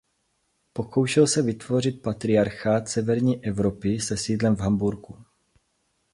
Pokoušel se vytvořit patriarchát severní Evropy se sídlem v Hamburku.